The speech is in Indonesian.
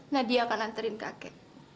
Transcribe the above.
nadia akan anterin kakek